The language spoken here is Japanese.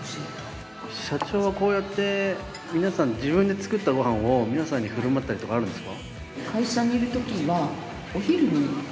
社長はこうやって自分で作ったごはんを皆さんにふるまったりとかあるんですか？